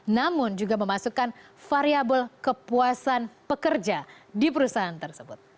namun juga memasukkan variable kepuasan pekerja di perusahaan tersebut